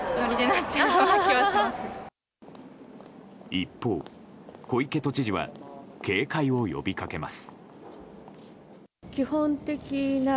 一方、小池都知事は警戒を呼びかけます。